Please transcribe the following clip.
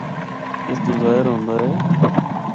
اس تو ظاہر ہوندا اے۔